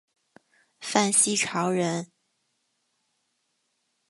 范希朝人。